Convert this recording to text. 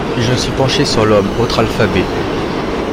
Puis je me suis penché sur l’homme, autre alphabet.